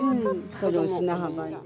この砂浜で。